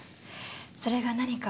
それが何か？